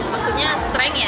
maksudnya strength ya